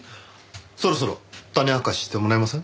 そろそろ種明かししてもらえません？